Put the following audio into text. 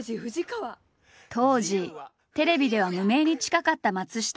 当時テレビでは無名に近かった松下。